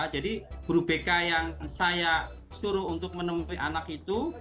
jadi guru bk yang saya suruh untuk menemui anak itu